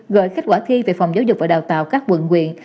gợi kết quả thi về phòng giáo dục và đào tạo các quận quyền